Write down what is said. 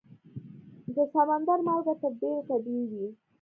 د سمندر مالګه تر ډېره طبیعي وي.